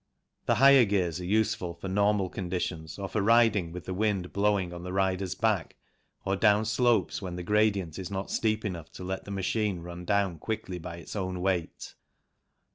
The higher gears are useful for normal conditions or for riding with the wind blowing on the rider's back or down slopes when the gradient is not steep enough to let the machine run down quickly by its own weight.